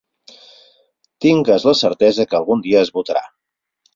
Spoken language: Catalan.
Tingues la certesa que algun dia es votarà.